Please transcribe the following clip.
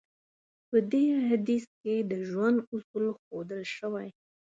په دې حديث کې د ژوند اصول ښودل شوی.